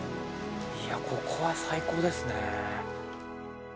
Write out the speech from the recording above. いやぁ、ここは最高ですねぇ。